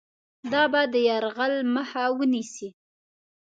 دا به د یرغل مخه ونیسي.